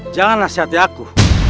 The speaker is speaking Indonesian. jangan nasihati aku